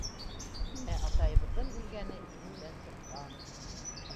Ә атайыбыҙҙың үлгәне иҫемдән сыҡҡан.